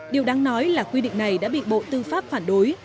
điều đáng nói là quy định này đã bị bộ tư pháp phản đối